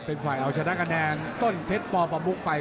เป็นฝ่ายเอาชนะคะแนนต้นเพชรปประมุกไป